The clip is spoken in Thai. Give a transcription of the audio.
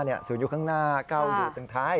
โก้อยู่ทั้งท้าย